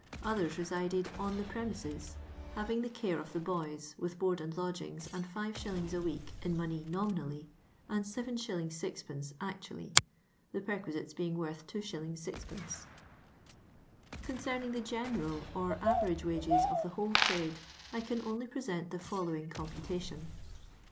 Others resided "on the premises," having the care of the boys, with board and lodgings and 5s. a week in money nominally, and 7s. 6d. aetvallyf the perquisites being worth *2s. 6d. Concerning the general or average wages of the whole trade, I can only present the following com putation.